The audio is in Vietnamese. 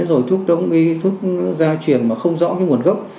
rồi thuốc đông y thuốc gia truyền mà không rõ cái nguồn gốc